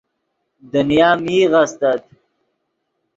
دنیا میغ استت